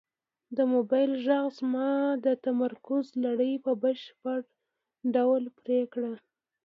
د موبایل غږ زما د تمرکز لړۍ په بشپړ ډول پرې کړه.